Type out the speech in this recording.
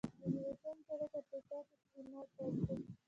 د نولسمې پېړۍ په افریقا کې استعمار پیل شو.